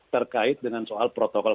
terkait dengan soal protokol